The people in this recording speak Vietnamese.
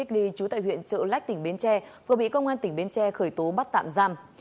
lách tỉnh bến tre vừa bị công an tỉnh bến tre khởi tố bắt tạm giam